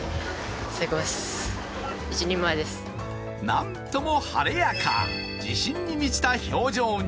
なんとも晴れやか、自信に満ちた表情に。